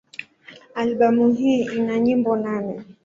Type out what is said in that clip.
Albamu hii ina nyimbo nane.